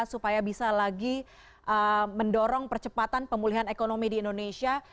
supaya bisa lagi mendorong percepatan pemulihan ekonomi di indonesia